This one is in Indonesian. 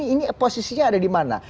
ini posisinya ada dimana